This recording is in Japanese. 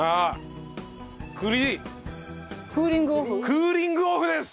クーリング・オフです！